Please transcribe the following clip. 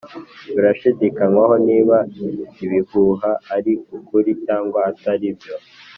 birashidikanywaho niba ibihuha ari ukuri cyangwa atari byo.